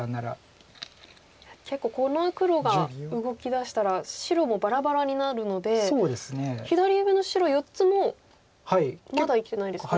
いや結構この黒が動き出したら白もバラバラになるので左上の白４つもまだ生きてないですよね。